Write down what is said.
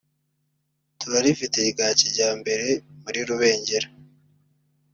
turarifite rya kijyambere muri Rubengera